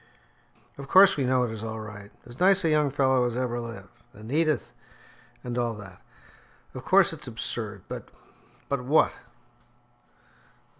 "Of course, we know it is all right as nice a young fellow as ever lived and Edith and all that. Of course, it's absurd, but " "But what?"